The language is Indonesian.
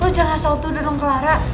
lo jangan selalu tuduh dong clara